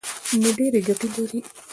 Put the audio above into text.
نو ډېرې ګټې لري.